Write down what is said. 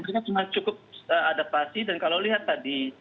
mereka cuma cukup adaptasi dan kalau lihat tadi